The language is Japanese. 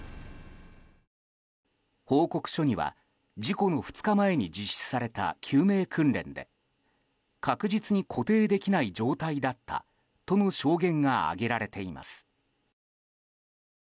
報告書には事故の２日前に実施された救命訓練で確実に固定できない状態だったとの証言が上げられています。